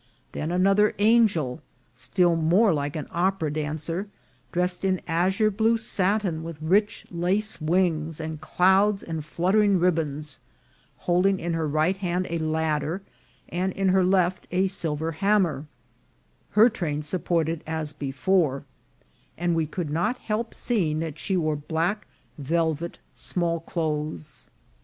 Then another angel, still more like an opera dancer, dressed in azure blue satin, with rich lace wings, and clouds, and fluttering ribands, holding in her right hand a ladder, and in her left a silver hammer ; her train supported as before ; and we could not help see ing that she wore black velvet smallclothes.